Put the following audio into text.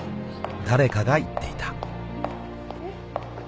［誰かが言っていた］